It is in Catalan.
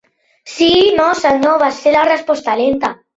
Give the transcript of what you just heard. Sí, i no, senyor, va ser la resposta lenta.